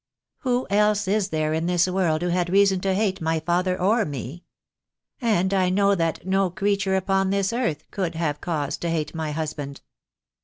Who else is there in this world who had reason to hate my father or me? And I know that no creature upon this earth could have cause to hate my husband."